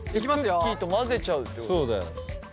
クッキーと混ぜちゃうってことだよね。